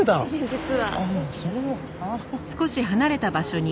実は。